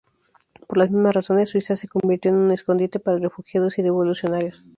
Por las mismas razones, Suiza se convirtió en un escondite para refugiados y revolucionarios.